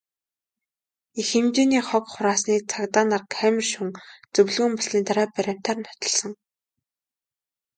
Их хэмжээний хог хураасныг цагдаа нар камер шүүн, зөвлөгөөн болсны дараа баримтаар нотолсон.